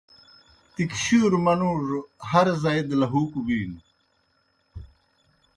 تِکشُوروْ منُوڙوْ ہر زائی دہ لہُوکوْ بِینوْ۔